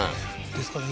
ですかね